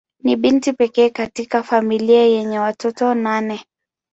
Ni binti pekee katika familia yenye watoto nane.